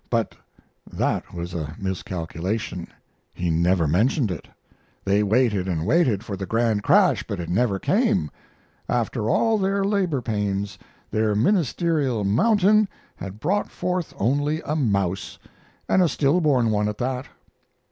But that was a miscalculation. He never mentioned it. They waited and waited for the grand crash, but it never came. After all their labor pains, their ministerial mountain had brought forth only a mouse and a still born one at that.